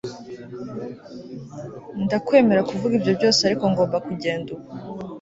Ndakwemerera kuvuga ibyo byose Ariko ngomba kugenda ubu